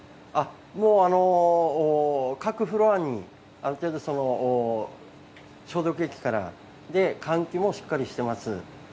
各フロアにある程度消毒液から換気もしっかりしています。